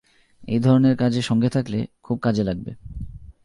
এই ধরণের কাজে সঙ্গে থাকলে, খুব কাজে লাগবে।